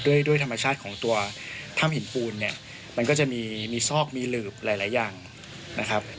ด้วยด้วยธรรมชาติของตัวถ้ำหินปูนเนี่ยมันก็จะมีซอกมีหลืบหลายอย่างนะครับ